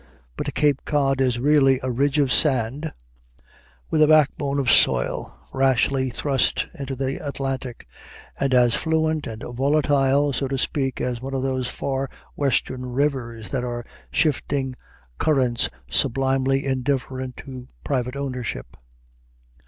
But Cape Cod is really a ridge of sand with a backbone of soil, rashly thrust into the Atlantic, and as fluent and volatile, so to speak, as one of those far Western rivers that are shifting currents sublimely indifferent to private ownership.